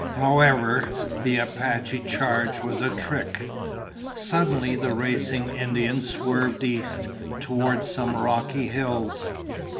However, the Apache charge was a trick. Suddenly the racing Indians swerved east, toward some rocky hills.